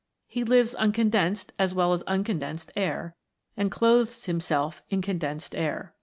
He lives on condensed as well as uncondensed air, and clothes himself in condensed air.